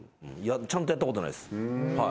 ちゃんとやったことないです。